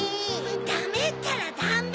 ダメったらダメ！